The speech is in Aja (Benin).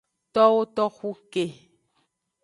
Towo toxu ke.